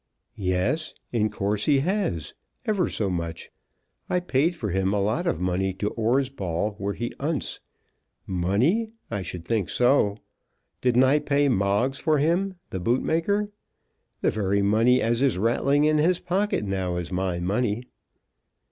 "Yes; in course he has; ever so much. I paid for him a lot of money to 'Orsball, where he 'unts. Money! I should think so. Didn't I pay Moggs for him, the bootmaker? The very money as is rattling in his pocket now is my money."